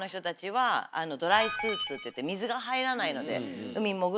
ドライスーツっていって水が入らないので海潜る中